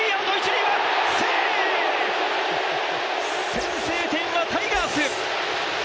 先制点はタイガース。